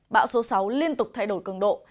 báo số sáu liên tục thay đổi cường độ